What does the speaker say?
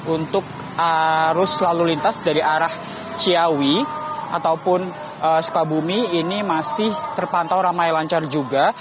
untuk arus lalu lintas dari arah ciawi ataupun sukabumi ini masih terpantau ramai lancar juga